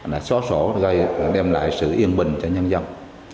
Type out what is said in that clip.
là xóa sổ đem lại sự yên bình cho nhân dân